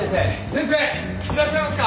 先生いらっしゃいますか？